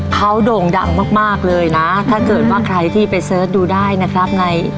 เขาโด่งดังมากมากเลยนะถ้าเกิดว่าใครที่ไปเสิร์ชดูได้นะครับใน